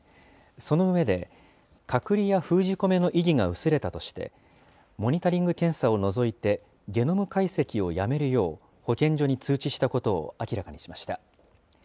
その上で、隔離や封じ込めの意義が薄れたとして、モニタリング検査を除いてゲノム解析をやめるよう、保健所に通知したことを明らかにしました。